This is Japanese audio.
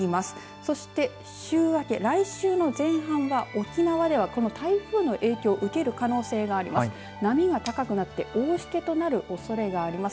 そして週明け、来週の前半は沖縄では、この台風の影響を受ける可能性があります。